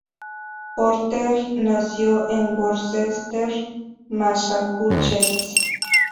Porter nació en Worcester, Massachusetts.